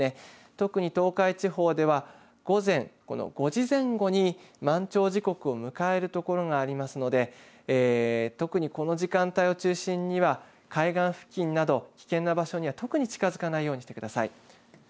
特に東海地方では午前５時前後に満潮時刻を迎えるところがありますので特に、この時間帯を中心には海岸付近など、危険な場所には特に近づかないようにしてください。